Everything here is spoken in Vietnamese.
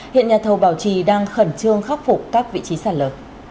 hiện nhà thầu bảo trì đang khẩn trương khắc phục các vị trí sạt lở